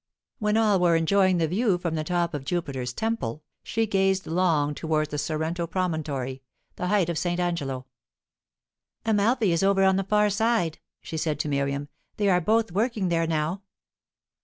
When all were enjoying the view from the top of Jupiter's Temple, she gazed long towards the Sorrento promontory, the height of St. Angelo. "Amalfi is over on the far side," she said to Miriam. "They are both working there now."